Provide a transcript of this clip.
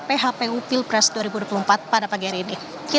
phpu pilpres dua ribu dua puluh empat pada pagi hari ini